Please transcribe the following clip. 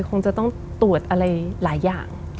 คงจะต้องตรวจอะไรหลายอย่าง